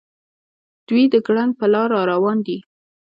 دوي د ګړنګ پر لار راروان دي.